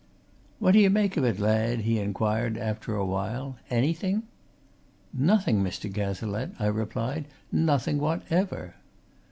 "What d'ye make of it, lad?" he inquired after awhile. "Anything?" "Nothing, Mr. Cazalette!" I replied. "Nothing whatever."